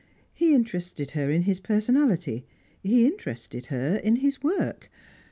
He interested her in his personality, he interested her in his work.